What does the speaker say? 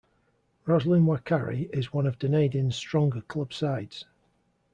Roslyn-Wakari is one of Dunedin's stronger club sides.